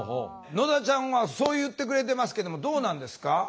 野田ちゃんはそう言ってくれてますけどもどうなんですか？